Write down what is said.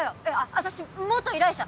私依頼者！